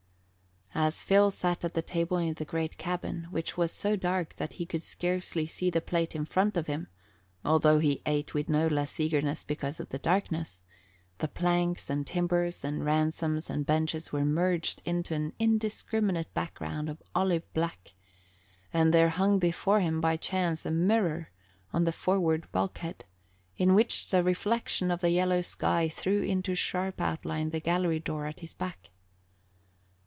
As Phil sat at the table in the great cabin, which was so dark that he could scarcely see the plate in front of him (although he ate with no less eagerness because of the darkness), the planks and timbers and transoms and benches were merged into an indiscriminate background of olive black, and there hung before him by chance a mirror on the forward bulkhead, in which the reflection of the yellow sky threw into sharp outline the gallery door at his back.